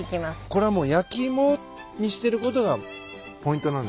これはもう焼き芋にしてることがポイントなんですね。